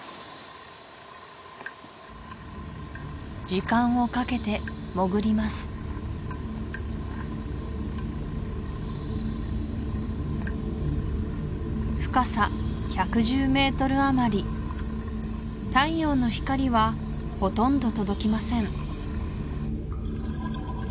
時間をかけて潜ります深さ１１０ｍあまり太陽の光はほとんど届きません